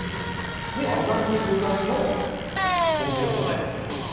同じ具材の豚汁もございます。